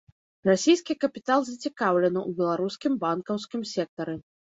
Расійскі капітал зацікаўлены ў беларускім банкаўскім сектары.